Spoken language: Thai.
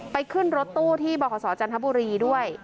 ขึ้นรถตู้ที่บขจันทบุรีด้วย